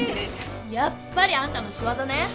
やっぱりあんたのしわざね！